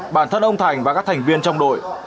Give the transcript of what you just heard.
bản thân ông thành và các thành viên trong đội